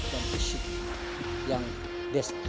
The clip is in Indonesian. ini adalah pengaruh yang kesehatan